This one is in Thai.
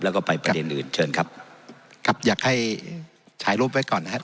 แล้วก็ไปประเด็นอื่นเชิญครับครับอยากให้ถ่ายรูปไว้ก่อนนะครับ